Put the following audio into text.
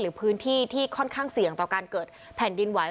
พื้นที่ที่ค่อนข้างเสี่ยงต่อการเกิดแผ่นดินไหว